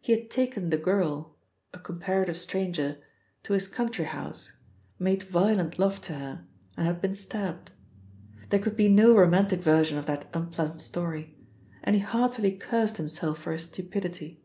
He had taken the girl a comparative stranger to his country house, made violent love to her, and had been stabbed. There could be no romantic version of that unpleasant story; and he heartily cursed himself for his stupidity.